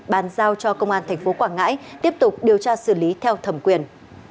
bàn giao cho công an tp quảng ngãi tiếp tục điều tra xử lý theo thẩm quyền